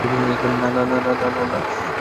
না, না, না, না, না, না, না।